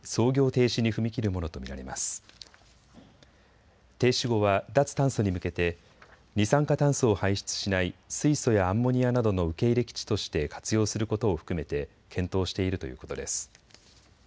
停止後は脱炭素に向けて二酸化炭素を排出しない水素やアンモニアなどの受け入れ基地として活用することを含めて検討しているということです。